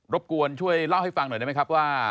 บกวนช่วยเล่าให้ฟังหน่อยได้ไหมครับว่า